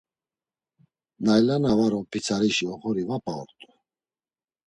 Nayla na var on p̌itsarişi oxori va p̌a ort̆u.